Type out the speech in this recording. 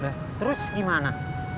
nah terus gimana